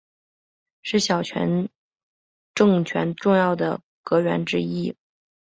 是小泉政权重要的阁员之一。